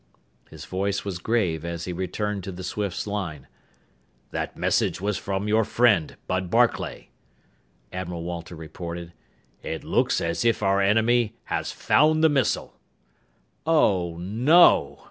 His voice was grave as he returned to the Swifts' line. "That message was from your friend, Bud Barclay," Admiral Walter reported. "It looks as if our enemy has found the missile!" "Oh, no!"